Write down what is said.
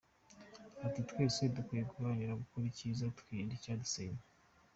Ati : “Twese dukwiye guharanira gukora icyiza, tukirinda icyadusenya”.